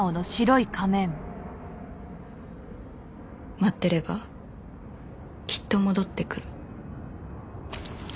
待ってればきっと戻ってくる。